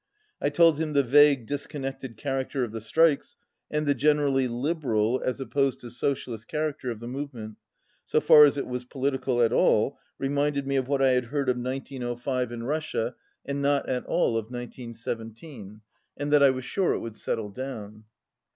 I told him the vague, discon nected character of the strikes and the generally liberal as opposed to socialist character of the movement, so far as it was political at all, re minded me of what I had heard of 1905 in Russia 226 and not at all of 1917, and that I was sure it would settle down.